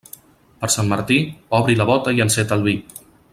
Per Sant Martí, obri la bóta i enceta el vi.